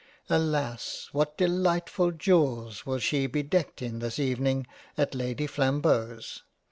Alas ! what Delightful Jewels will she be decked in this even ing at Lady Flambeau's